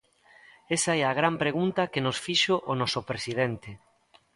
Esa é a gran pregunta que nos fixo o noso presidente.